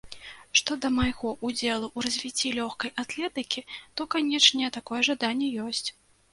Што да майго ўдзелу ў развіцці лёгкай атлетыкі, то, канечне, такое жаданне ёсць.